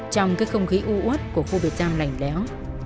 trong cái không khí u uất của khu biệt giam lạnh lẽo